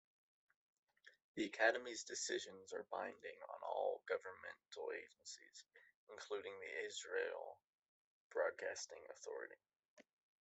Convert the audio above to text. The Academy's decisions are binding on all governmental agencies, including the Israel Broadcasting Authority.